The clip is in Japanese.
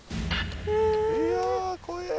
いや怖え。